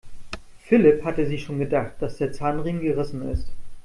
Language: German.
Philipp hatte sich schon gedacht, dass der Zahnriemen gerissen ist.